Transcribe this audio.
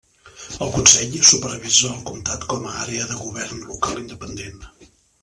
El consell supervisa el comtat com a àrea de govern local independent.